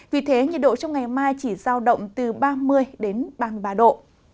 vì thế nhiệt độ trong ngày mai chỉ giao động từ ba mươi đến ba mươi ba độ